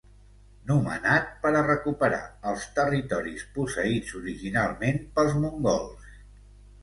Nomenat per a recuperar els territoris posseïts originalment pels mongols.